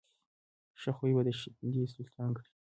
ښه خوی به دې سلطان کړي.